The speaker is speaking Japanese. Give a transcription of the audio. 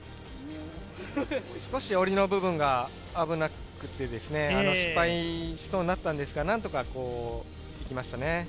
少し下りの部分が危なくて、失敗しそうになったんですが、何とか行きましたね。